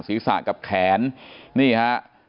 ศีรษะกับแขนนี่ฮะ